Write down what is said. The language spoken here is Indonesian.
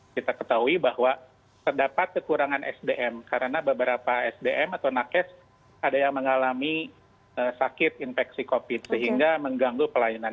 kita ketahui bahwa terdapat kekurangan sdm karena beberapa sdm atau nakes ada yang mengalami sakit infeksi covid sehingga mengganggu pelayanan